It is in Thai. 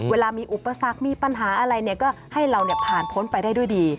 เวลามีอุปสรรคมีปัญหาอะไรก็ให้เราผ่านพ้นไปได้ด้วยดี